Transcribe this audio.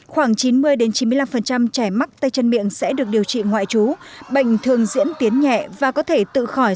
trăm trẻ mắc tay trần miệng sẽ được điều trị ngoại trú bệnh thường diễn tiến nhẹ và có thể tự khỏi